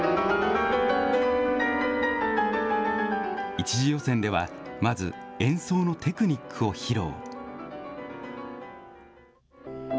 １次予選では、まず演奏のテクニックを披露。